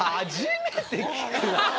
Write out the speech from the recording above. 初めて聞くな。